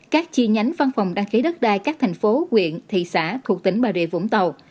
các chi nhánh văn phòng đăng ký đất đai các thành phố quyện thị xã thuộc tỉnh bà rịa vũng tàu